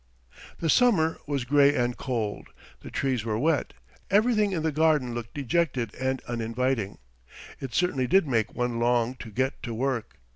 The summer was grey and cold, the trees were wet, everything in the garden looked dejected and uninviting, it certainly did make one long to get to work.